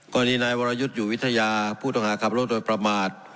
กรณีนายวรยุทธ์อยู่วิทยาผู้ต้องหาขับรถโดยประมาท